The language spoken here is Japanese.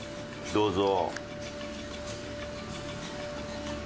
どうぞ。